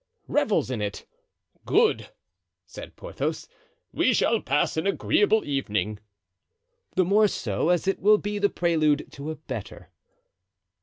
"Revels in it." "Good," said Porthos; "we shall pass an agreeable evening." "The more so, as it will be the prelude to a better."